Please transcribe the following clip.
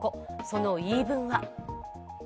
その言い分は。